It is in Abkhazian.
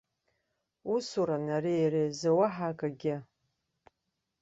Усуран ари иара изы, уаҳа акагьы.